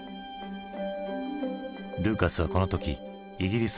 ルーカスはこの時イギリスにいた。